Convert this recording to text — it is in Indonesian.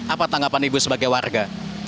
apa tanggapan ibu sebagai warga